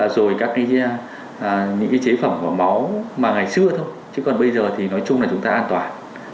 rồi các những chế phẩm của máu mà ngày xưa thôi chứ còn bây giờ thì nói chung là chúng ta an toàn